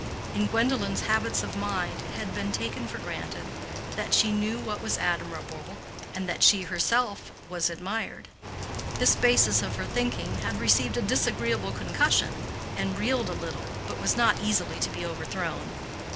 In Gwendolen's habits of mind it had been taken for granted that she knew what was admirable and that she herself was admired. This basis of her thinking had received a disagreeable concussion, and reeled a little, but was not easily to be overthrown.